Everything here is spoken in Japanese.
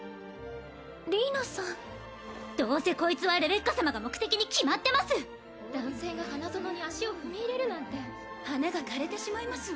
ディーナさんどうせこいつはレベッカ様が目的に決まってます男性が花園に足を踏み入れるなんて花が枯れてしまいますわ